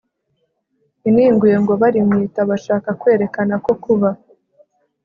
ininguye ngo barimwita bashaka kwerekana ko kuba